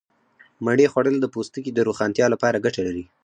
مڼې خوړل د پوستکي د روښانتیا لپاره گټه لري.